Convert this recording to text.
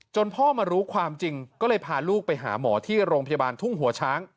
พ่อมารู้ความจริงก็เลยพาลูกไปหาหมอที่โรงพยาบาลทุ่งหัวช้าง